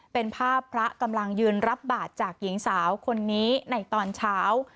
เป็นภาพพระกำลังยืนรับบาทจากหญิงสาวคนนี้ในตอนเช้า